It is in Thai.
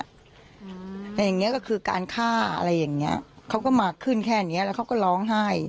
แต่อย่างเงี้ยก็คือการฆ่าอะไรอย่างเงี้ยเขาก็มาขึ้นแค่เนี้ยแล้วเขาก็ร้องไห้